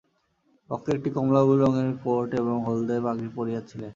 বক্তা একটি কমলালেবু রঙের কোট এবং হলদে-পাগড়ি পরিয়াছিলেন।